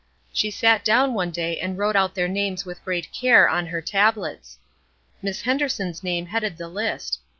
She sat down one day and wrote out their names with great care on her tablets. Miss Henderson's name headed the list.